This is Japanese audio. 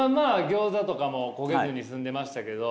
ギョーザとかも焦げずに済んでましたけど。